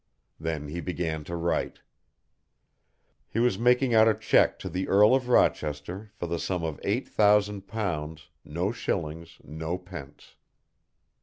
Then he began to write. He was making out a cheque to the Earl of Rochester for the sum of eight thousand pounds, no shillings, no pence.